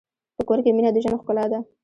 په کور کې مینه د ژوند ښکلا ده.